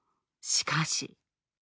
しかし。